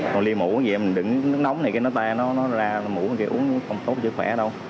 còn ly mũ gì mình đứng nước nóng này nó ra mũ mình uống nó không tốt cho sức khỏe đâu